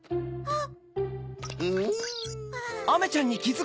あっ。